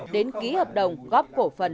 đến ký hợp đồng góp phổ phần